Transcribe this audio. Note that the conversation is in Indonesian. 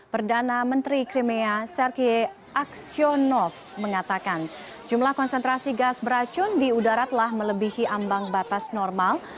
perdana menteri crimea serge aksionov mengatakan jumlah konsentrasi gas beracun di udara telah melebihi ambang batas normal